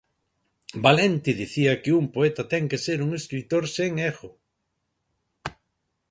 Valente dicía que un poeta ten que ser un escritor sen ego.